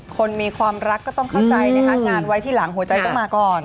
คนมีความรักก็ต้องเข้าใจนะคะงานไว้ที่หลังหัวใจต้องมาก่อน